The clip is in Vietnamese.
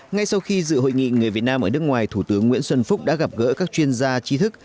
ngay sau khi dự hội nghị người việt nam ở nước ngoài thủ tướng nguyễn xuân phúc đã gặp gỡ các chuyên gia trí thức